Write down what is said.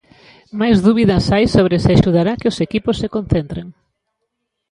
Máis dúbidas hai sobre se axudará que os equipos se concentren.